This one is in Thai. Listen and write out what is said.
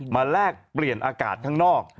แลกเปลี่ยนอากาศข้างนอก